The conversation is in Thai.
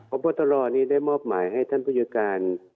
ผมว่าตลอดมีที่ได้มอบหมายให้ท่านผู้จัดการ